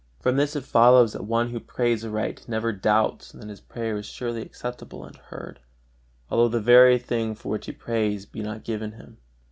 From this it follows that one who prays aright never doubts that his prayer is surely acceptable and heard, although the very thing for which he prays be not given him.